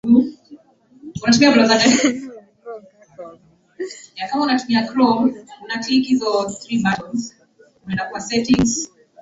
zaidi ya makabila sitini na nne yapo